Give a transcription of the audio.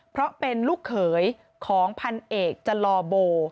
เพราะเป็นลูกเขยของพันเอกจลอโบ